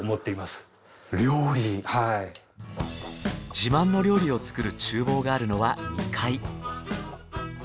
自慢の料理を作る厨房があるのは２階。